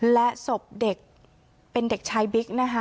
และศพเด็กเป็นเด็กชายบิ๊กนะคะ